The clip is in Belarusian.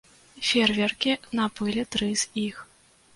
Феерверкі набылі тры з іх.